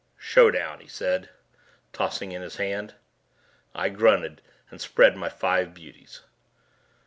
"Showdown," he said, tossing in his hand. I grunted and spread my five beauties.